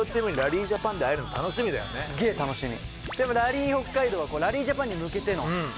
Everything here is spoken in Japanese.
すげえ楽しみ。